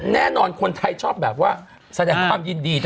แน่นอนคนไทยชอบแบบว่าแสดงความยินดี